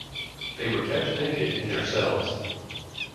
They were kept naked in their cells.